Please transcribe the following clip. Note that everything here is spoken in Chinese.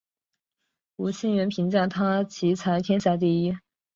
吴清源评价他棋才天下第一。